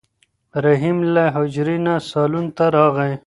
رحیم له حجرې نه صالون ته راغی.